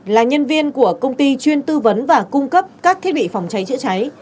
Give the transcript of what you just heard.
là nhân viên của công ty chuyên tư vấn và cung cấp các thiết bị phòng cháy chữa cháy